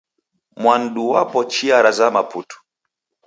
Mwanduu wapo chia ra zama putu